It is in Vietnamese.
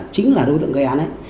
chính là đối tượng gây án ấy